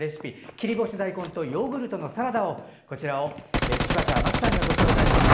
切り干し大根とヨーグルトのサラダを柴田真希さんがご紹介します。